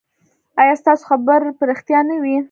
ایا ستاسو خبر به ریښتیا نه وي؟